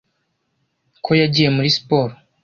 Ko yagiye muri siporo